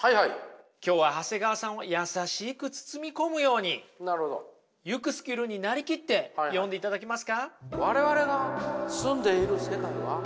今日は長谷川さんを優しく包み込むようにユクスキュルになりきって読んでいただけますか。